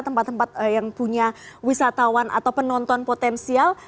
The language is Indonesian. tempat tempat yang punya wisatawan atau penonton potensial